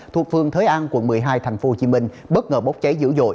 thuộc phương thới an quận một mươi hai tp hcm bất ngờ bốc cháy dữ dội